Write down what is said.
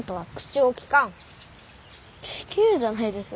ききゆうじゃないです